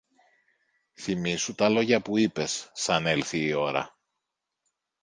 Θυμήσου τα λόγια που είπες, σαν έλθει η ώρα